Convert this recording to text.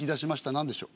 何でしょう？